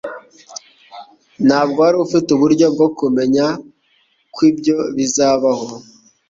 Ntabwo wari ufite uburyo bwo kumenya ko ibyo bizabaho.